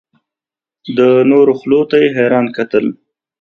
د نورو خولو ته یې حیران کتل.